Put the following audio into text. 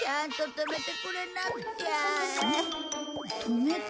止めて。